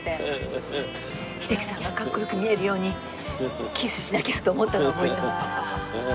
秀樹さんがかっこよく見えるようにキスしなきゃと思ったのを覚えてます。